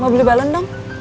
mau beli balon dong